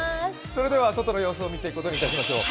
それでは外の様子を見ていくことにいたしましょう。